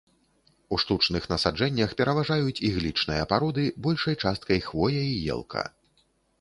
У штучных насаджэннях пераважаюць іглічныя пароды, большай часткай хвоя і елка.